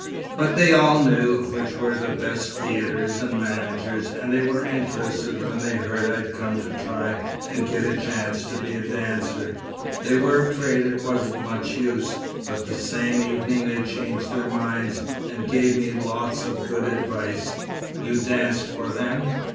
But they all knew which were the best theatres and managers, and they were interested when they heard I'd come to try and get a chance to be a dancer. They were afraid it wasn't much use, but the same evening they changed their minds, and gave me lots of good advice." "You danced for them?"